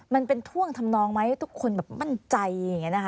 มันเป็นท่วงทำนองไหมทุกคนแบบมั่นใจอย่างนี้นะคะ